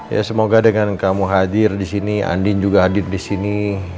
ya semoga dengan kamu hadir disini andin juga hadir disini